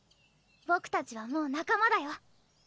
僕たちはもう仲間だよ。